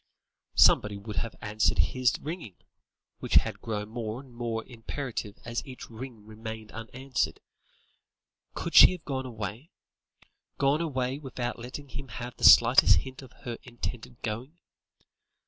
Somebody would have answered his ringing, which had grown more and more imperative as each ring remained unanswered. Could she have gone away? Gone away without letting him have the slightest hint of her intended going?